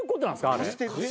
あれ。